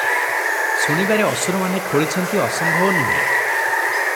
ଶୁଣିବାରେ ଅସୁରମାନେ ଖୋଳିଛନ୍ତି ଅସମ୍ଭବ ନୁହେଁ ।